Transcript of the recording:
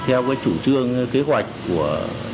theo chủ trương kế hoạch của